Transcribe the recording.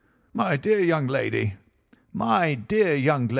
"'My dear young lady! my dear young lady!